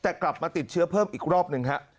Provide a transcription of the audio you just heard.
แต่กลับมาติดเชื้อเพิ่มอีกรอบหนึ่งฮะ